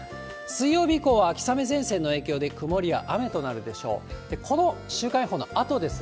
水曜日以降は秋雨前線の影響で曇りや雨となりそうです。